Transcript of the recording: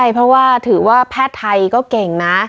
เพราะว่าถือว่าแพทย์ไทยก็เก่งนะ